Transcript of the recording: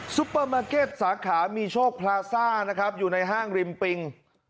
ปเปอร์มาร์เก็ตสาขามีโชคพลาซ่านะครับอยู่ในห้างริมปิง